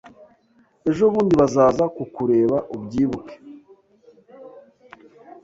Ejo bundi bazaza kukureba ubyibuke